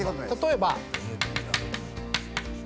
例えば。